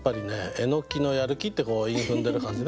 「えのきのやる気」ってこう韻を踏んでる感じね。